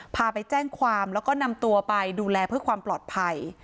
พาไปแจ้งความแล้วก็นำตัวไปดูแลเพื่อความปลอดภัย